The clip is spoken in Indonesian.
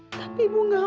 tapi ibu nggak mau